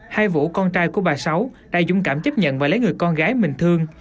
hai vũ con trai của bà sáu đã dũng cảm chấp nhận và lấy người con gái mình thương